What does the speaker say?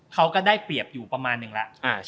เขาก็ได้เปรียบอยู่ประมาณนึงแล้ว